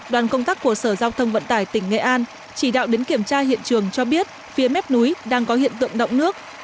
đoàn công tác của sở giao thông vận tải tỉnh nghệ an chỉ đạo đến kiểm tra hiện trường cho biết phía mép núi đang có hiện tượng động nước